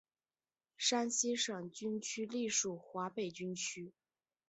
山西省军区隶属华北军区。